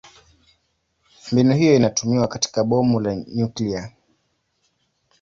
Mbinu hiyo inatumiwa katika bomu la nyuklia.